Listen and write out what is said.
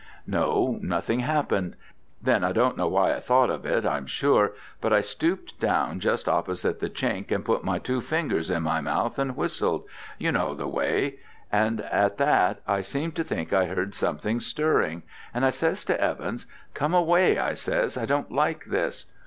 No, nothing happened. Then, I don't know why I thought of it, I'm sure, but I stooped down just opposite the chink and put my two fingers in my mouth and whistled you know the way and at that I seemed to think I heard something stirring, and I says to Evans, 'Come away,' I says; 'I don't like this.'